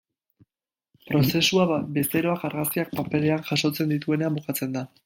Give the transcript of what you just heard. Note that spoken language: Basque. Prozesua bezeroak argazkiak paperean jasotzen dituenean bukatzen da.